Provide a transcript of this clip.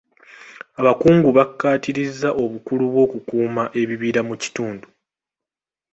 Abakungu bakkaatirizza obukulu bw'okukuuma ebibira mu kitundu.